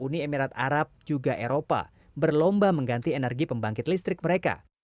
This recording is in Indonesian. uni emirat arab juga eropa berlomba mengganti energi pembangkit listrik mereka